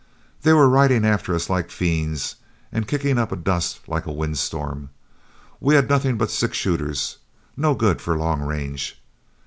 They were riding after us like fiends and kicking up a dust like a wind storm. We had nothing but six shooters, no good for long range.